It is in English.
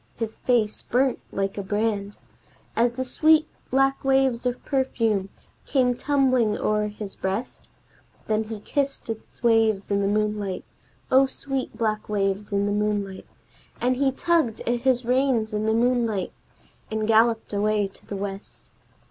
His face burnt like a brand As the sweet black waves of perfume came tumbling o'er his breast, Then he kissed its waves in the moonlight (O sweet black waves in the moonlight!), And he tugged at his reins in the moonlight, and galloped away to the west.